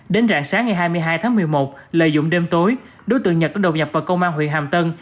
đến rạng sáng ngày hai mươi hai tháng một mươi một lợi dụng đêm tối đối tượng nhật đã đột nhập vào công an huyện hàm tân